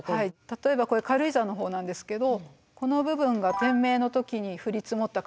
例えばこれ軽井沢の方なんですけどこの部分が天明の時に降り積もった軽石の地層ですね。